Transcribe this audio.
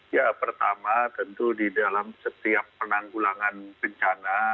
ya pertama tentu di dalam setiap penanggulangan bencana